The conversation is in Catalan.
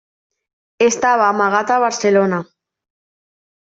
Estava amagat a Barcelona.